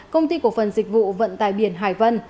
công ty cổ phần dịch vụ vận tài biển hải vân